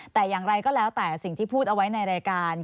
แต่อย่างไรก็แล้วแต่สิ่งที่พูดเอาไว้ในรายการ